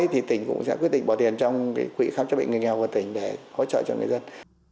thì tỉnh cũng sẽ quyết định bỏ tiền trong quỹ khám chữa bệnh người nghèo của tỉnh để hỗ trợ cho người dân